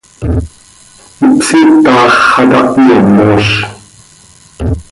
Ihpsiitax xah taa hpyoomoz.